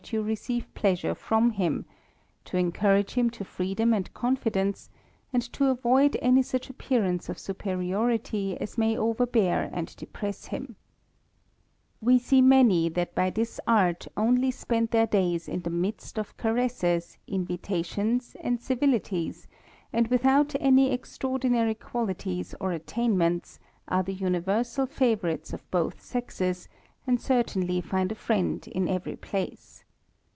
yfluie££ivejlcMure_ from him, to encourage him to freedom and confidenee, and to avo id any such appear ance of superiority as may oyerbe ar and deg ress, hilfl We see many that by this art only spend their days in the midst of caresses, invitations, _,.. and civilities; and without any extraordinary qualities or "v V attainments, are the universal favourites of both sexes, and certainly find a friend in every place.